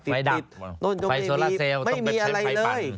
ไฟโซลาเซลต์ต้องเป็นเชิมไฟปัน